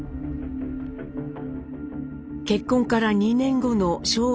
結婚から２年後の昭和１５年。